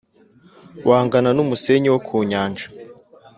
wangana n’umusenyi wo ku nyanja,